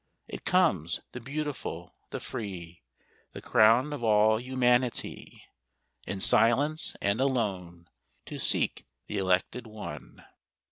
It comes, — the beautiful, the free, Tl: >wn of all humanity, — In silence and alone 2Q To seek the elected one.